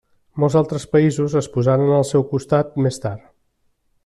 Molts altres països es posaren al seu costat més tard.